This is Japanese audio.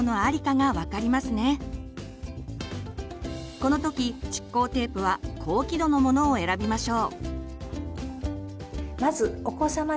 この時蓄光テープは「高輝度」のものを選びましょう。